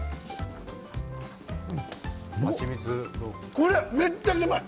これ、めっちゃうまい！